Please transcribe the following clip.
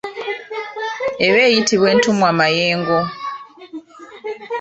Eba eyitibwa entumwamayengo.